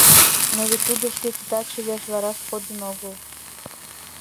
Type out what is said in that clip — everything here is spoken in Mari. — Но вет тудо шке титакше верч вараш кодын огыл.